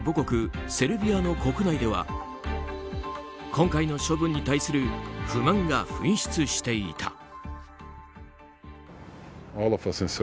ジョコビッチ選手の母国セルビアの国内では今回の処分に対する不満が噴出していた。